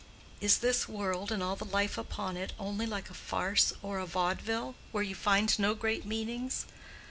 Is this world and all the life upon it only like a farce or a vaudeville, where you find no great meanings?